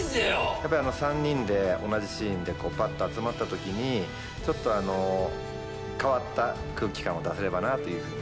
やっぱり３人で同じシーンでパッと集まった時にちょっと変わった空気感を出せればなというふうに。